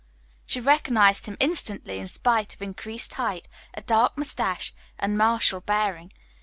She recognized him instantly, in spite of increased height, a dark moustache, and martial bearing.